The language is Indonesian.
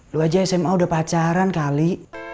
dulu aja sma udah pacaran kali